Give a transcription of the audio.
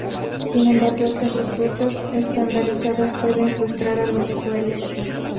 Sin embargo, estas respuestas estandarizadas pueden frustrar a los usuarios.